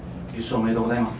おめでとうございます。